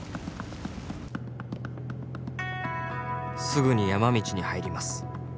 すぐに山道に入ります。